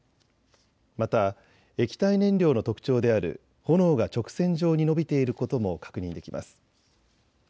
また液体燃料の特徴である炎が直線状に伸びていることも確認できます。